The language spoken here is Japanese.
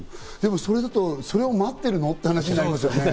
でもそれを待ってるの？って話になりますよね。